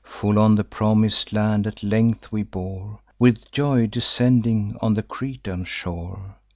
Full on the promis'd land at length we bore, With joy descending on the Cretan shore.